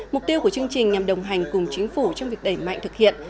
mục tiêu của chương trình nhằm đồng hành cùng chính phủ trong việc đẩy mạnh thực hiện